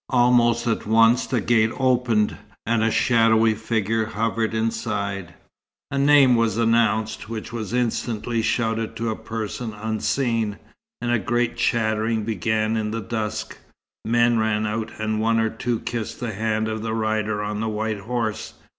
Almost at once the gate opened, and a shadowy figure hovered inside. A name was announced, which was instantly shouted to a person unseen, and a great chattering began in the dusk. Men ran out, and one or two kissed the hand of the rider on the white horse.